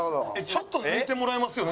ちょっと抜いてもらえますよね？